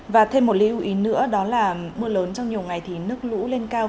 và thêm một lý hữu ý nữa đó là mưa lớn trong nhiều ngày thì nước lũ lên cao